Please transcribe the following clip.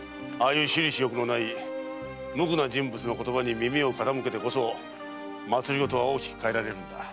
いう私利私欲のない無垢な人物の言葉に耳を傾けてこそ政は大きく変えられるのだ。